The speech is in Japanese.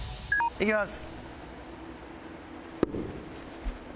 いきます。